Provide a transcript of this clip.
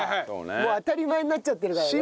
もう当たり前になっちゃってるからね。